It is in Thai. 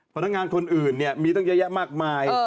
พนักงานคนอื่นเนี่ยมีตั้งเยอะแยะมากมาย